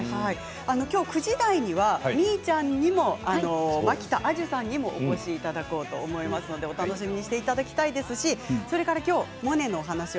きょう９時台にはみーちゃんにも蒔田彩珠さんにもお越しいただきたいと思いますので、お楽しみいただきたいですしそれからとモネのお話を。